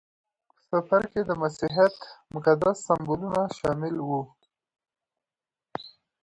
په سفر کې د مسیحیت مقدس سمبولونه شامل وو.